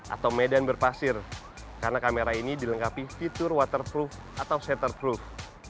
atau medan berpasir karena kamera ini dilengkapi fitur waterproof atau setterproof